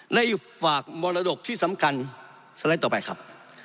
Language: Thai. ได้ฝากมรดกที่สำคัญสไลด์ต่อไปครับ